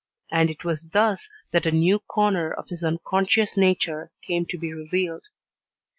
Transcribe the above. And it was thus that a new corner of his unconscious nature came to be revealed.